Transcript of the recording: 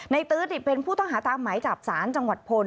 ในตื๊ดเป็นผู้ต้องหาตามไหมจากศาลจังหวัดพล